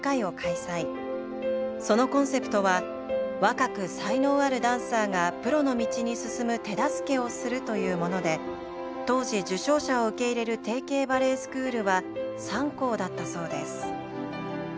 そのコンセプトは「若く才能あるダンサーがプロの道に進む手助けをする」というもので当時受賞者を受け入れる提携バレエスクールは３校だったそうです。